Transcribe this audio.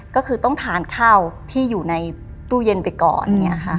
ก็คือต้องทานข้าวที่อยู่ในตู้เย็นไปก่อน